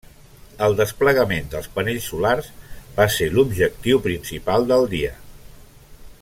El desplegament dels panells solars va ser l'objectiu principal del dia.